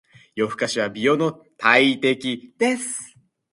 夜更かしは美容の大敵です。